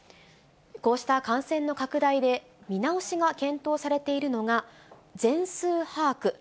こうした感染の拡大で、見直しが検討されているのが、全数把握。